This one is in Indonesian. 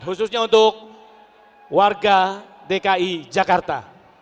khususnya untuk warga dki jakarta